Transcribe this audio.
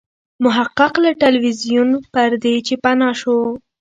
محقق له ټلویزیون پردې چې پناه شو.